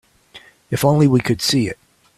If only we could see it.